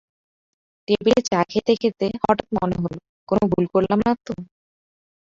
টেবিলে চা খেতে খেতে, হঠাৎ মনে হল কোন ভুল করলাম না তো!